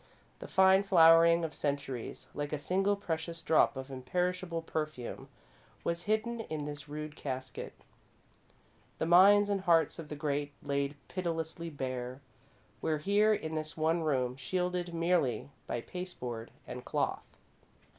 The fine flowering of the centuries, like a single precious drop of imperishable perfume, was hidden in this rude casket. The minds and hearts of the great, laid pitilessly bare, were here in this one room, shielded merely by pasteboard and cloth.